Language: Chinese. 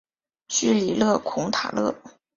叙里勒孔塔勒。